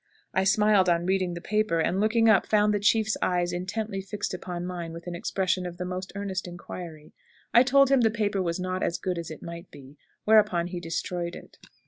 I smiled on reading the paper, and, looking up, found the chief's eyes intently fixed upon mine with an expression of the most earnest inquiry. I told him the paper was not as good as it might be, whereupon he destroyed it.